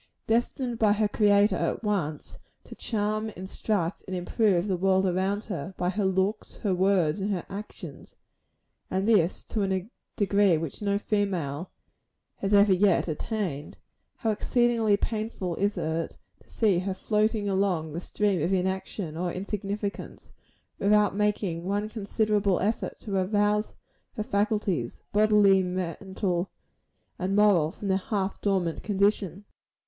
Destined by her Creator at once to charm, instruct and improve the world around her, by her looks, her words and her actions and this to a degree which no female has ever yet attained how exceedingly painful is it to see her floating along the stream of inaction or insignificance, without making one considerable effort to arouse her faculties bodily, mental and moral from their half dormant condition.